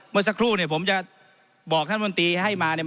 เมื่อสักครู่เนี่ยผมจะบอกท่านมนตรีให้มาเนี่ย